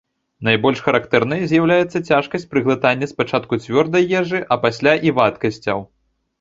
Найбольш характэрнай з'яўляецца цяжкасць пры глытанні спачатку цвёрдай ежы, а пасля і вадкасцяў.